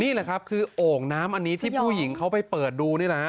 นี่แหละครับคือโอ่งน้ำอันนี้ที่ผู้หญิงเขาไปเปิดดูนี่แหละฮะ